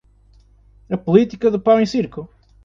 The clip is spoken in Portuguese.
A política do pão e circo